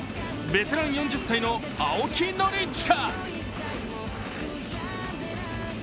ベテラン・４０歳の青木宣親。